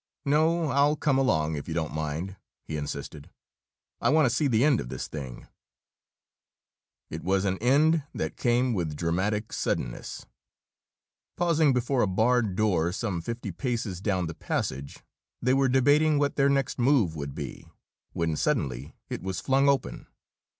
"No, I'll come along, if you don't mind," he insisted. "I want to see the end of this thing." It was an end that came with dramatic suddenness. Pausing before a barred door some fifty paces down the passage, they were debating what their next move would be when suddenly it was flung open.